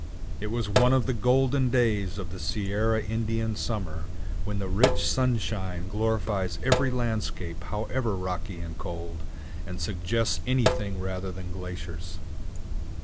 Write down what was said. It was one of the golden days of the Sierra Indian summer, when the rich sunshine glorifies every landscape however rocky and cold, and suggests anything rather than glaciers.